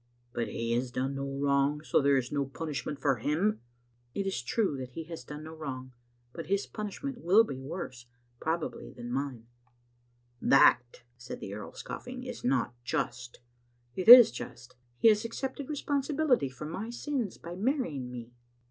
" But he has done no wrong, so there is no punish ment for him?" " It is true that he has done no wrong, but his punish ment will be worse, probably, than mine." "Thatj" said the earl, scoffing, "is not just." Digitized by VjOOQ IC Hfntoul mb JSabbfe. 88S " It is just. He has accepted responsibility for my sins by marrying me.